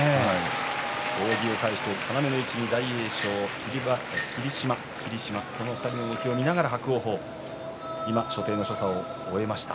扇を返して要の位置に大栄翔、霧島、霧島の動きを見ながら伯桜鵬所作を終えました。